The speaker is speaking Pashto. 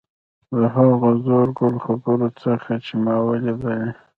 د هغو زرو ګل خبرو څخه چې ما ولیدلې.